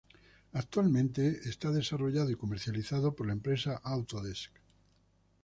Actualmente es desarrollado y comercializado por la empresa Autodesk.